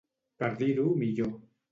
Per dir-ho millor.